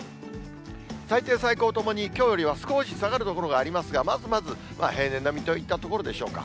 最低、最高ともにきょうよりも少し下がる所がありますが、まずまず、平年並みといったところでしょうか。